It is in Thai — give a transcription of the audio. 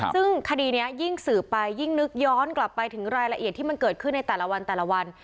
ซึ่งคดีนี้ยิ่งสืบไปยิ่งนึกย้อนกลับไปถึงรายละเอียดที่มันเกิดขึ้นในแต่ละวันแต่ละวัน